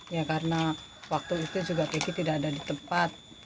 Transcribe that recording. ya karena waktu itu juga kiki tidak ada di tempat